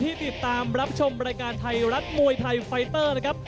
ที่ติดตามรับชมรายการไทรัฐมวยไทยไฟเตอร์